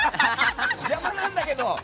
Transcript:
邪魔なんだけど！